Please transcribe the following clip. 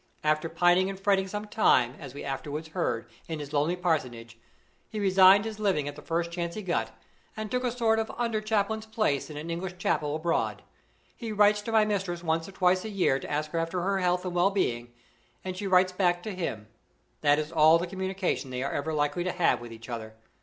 After pining and fretting some time, as we afterward heard, in his lonely parsonage, he resigned his living at the first chance he got, and took a sort of under chaplain's place in an English chapel abroad. He writes to my mistress once or twice a year to ask after her health and well being, and she writes back to him. That is all the communication they are ever likely to have with each other.